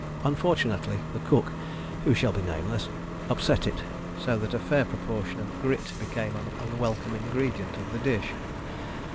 Unfortunately the cook, who shall be nameless, upset it, so that a fair proportion of grit became an unwelcome ingredient of the dish.